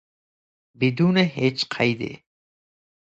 بدون هیچ قیدی